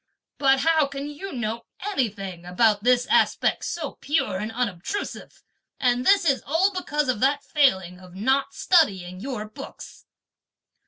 But how can you know anything about this aspect so pure and unobtrusive, and this is all because of that failing of not studying your books!"